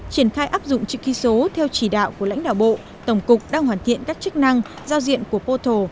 triển khai áp dụng trực kỳ số theo chỉ đạo của lãnh đạo bộ tổng cục đang hoàn thiện các chức năng giao diện của poto